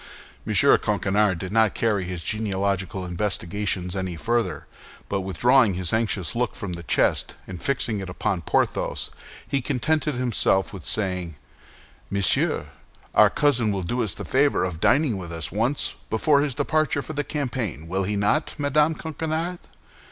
M. Coquenard did not carry his genealogical investigations any further; but withdrawing his anxious look from the chest and fixing it upon Porthos, he contented himself with saying, "Monsieur our cousin will do us the favor of dining with us once before his departure for the campaign, will he not, Madame Coquenard?"